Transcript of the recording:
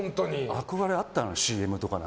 憧れがあったの、ＣＭとかで。